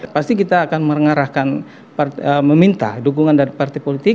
pasti kita akan mengarahkan meminta dukungan dari partai politik